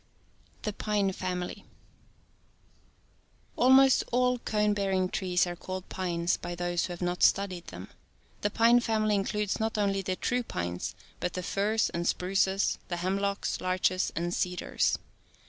THE PINE FAMILY. Almost all cone bearing trees are called pines by those who have not studied them. The pine family includes not only the true pines, but the firs and spruces, the hemlocks, larches and cedars.